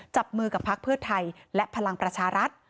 จับมือกับพักเพื่อไทยและพลังประชารัฐ